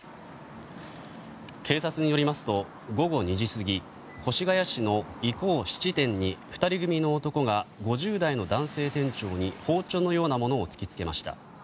警察によりますと午後２時過ぎ越谷市のイコー質店に２人組の男が５０代の男性店長に包丁のようなものを突き付けました。